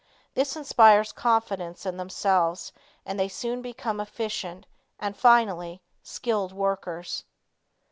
This inspires confidence in themselves and they soon become efficient and, finally, skilled workers.